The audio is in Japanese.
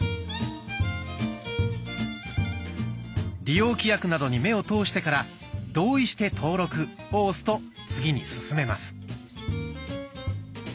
利用規約などに目を通してから「同意して登録」を押すと次に進めます。